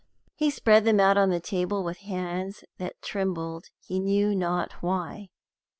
He spread them out on the table with hands that trembled he knew not why.